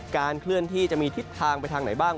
เคลื่อนที่จะมีทิศทางไปทางไหนบ้าง